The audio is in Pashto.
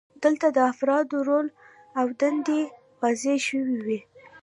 دلته د افرادو رول او دندې واضحې شوې وي.